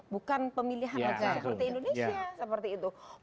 bukan pemilihan negara seperti indonesia